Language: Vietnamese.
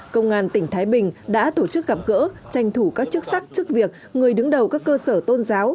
công an tỉnh thái bình đã tổ chức gặp gỡ tranh thủ các chức sắc chức việc người đứng đầu các cơ sở tôn giáo